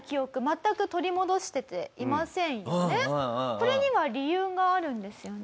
これには理由があるんですよね。